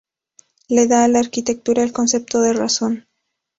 Le da a la arquitectura el concepto de razón.